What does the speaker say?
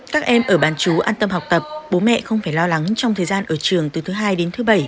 các em ở bán chú an tâm học tập bố mẹ không phải lo lắng trong thời gian ở trường từ thứ hai đến thứ bảy